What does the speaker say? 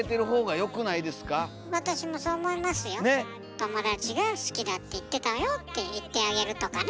友達が好きだって言ってたわよって言ってあげるとかね。